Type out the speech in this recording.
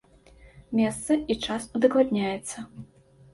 Месца і час удакладняецца.